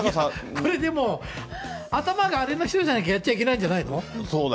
これでも、頭がアレな人じゃなきゃ、やっちゃいけないんじゃないの？